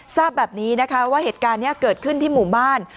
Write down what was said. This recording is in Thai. ทราบแบบนี้นะคะว่าเหตุการณ์นี้เกิดขึ้นที่หมู่บ้าน